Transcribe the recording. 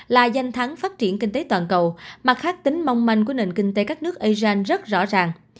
là danh thắng phát triển kinh tế toàn cầu mặt khác tính mong manh của nền kinh tế các nước asean rất rõ ràng